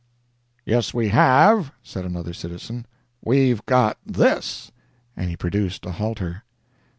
"Yes, we have," said another citizen, "we've got this" and he produced a halter.